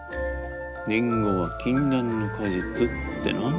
林檎は禁断の果実ってな。